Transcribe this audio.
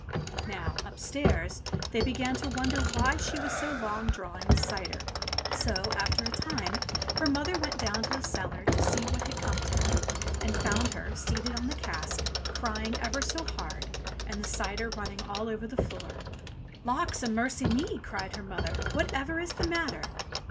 Now, upstairs, they began to wonder why she was so long drawing the cider ; so after a time her mother went down to the cellar to see what had come to her and found her, seated on the cask, crying ever so hard, and the cider running all over the floor. "Lawks a mercy me!'* cried her mother, "whatever is the matter